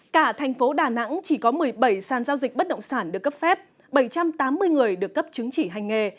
cả thành phố đà nẵng chỉ có một mươi bảy sàn giao dịch bất động sản được cấp phép bảy trăm tám mươi người được cấp chứng chỉ hành nghề